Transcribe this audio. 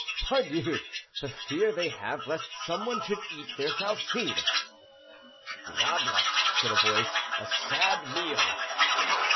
"Pardieu! the fear they have lest some one should eat their Salcede." "Diable!" said a voice, "a sad meal."